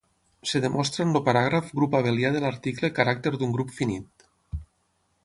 Es demostra en el paràgraf grup abelià de l'article Caràcter d'un grup finit.